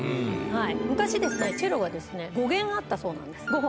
昔チェロが５弦あったそうなんです。